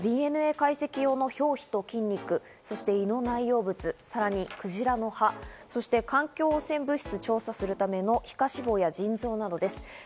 まずＤＮＡ解析用の表皮と筋肉、そして胃の内容物、さらにクジラの歯、そして環境汚染物質を調査するための皮下脂肪や腎臓などです。